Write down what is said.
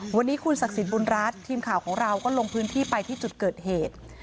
วันนี้คุณศักดิ์สิทธิบุญรัฐทีมข่าวของเราก็ลงพื้นที่ไปที่จุดเกิดเหตุ